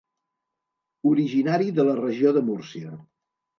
Originari de la regió de Múrcia.